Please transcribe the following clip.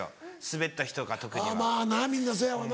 スベった日とか特には。